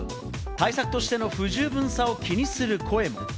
対策としての不十分さを気にする声も。